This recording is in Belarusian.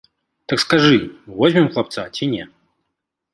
Так скажы, возьмем хлапца ці не?